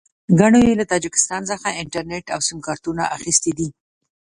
ګڼو یې له تاجکستان څخه انټرنېټ او سیم کارټونه اخیستي دي.